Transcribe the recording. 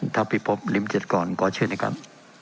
ท้าพิพพลิมจิตกรขอเชื่อนะครับ